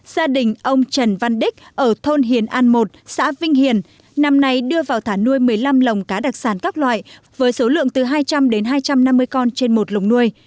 gia đình ông trần văn đích ở thôn hiền an một xã vinh hiền năm nay đưa vào thả nuôi một mươi năm lồng cá đặc sản các loại với số lượng từ hai trăm linh đến hai trăm năm mươi con trên một lồng nuôi